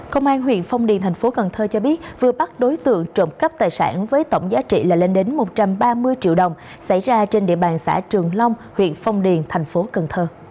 công an huyện phong điền tp cn cho biết vừa bắt đối tượng trộm cắp tài sản với tổng giá trị là lên đến một trăm ba mươi triệu đồng xảy ra trên địa bàn xã trường long huyện phong điền tp cn